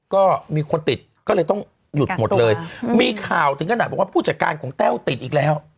ก็มีคนติดก็เลยต้องหยุดหมดเลยมีข่าวถึงขนาดบอกว่าผู้จัดการของแต้วติดอีกแล้ว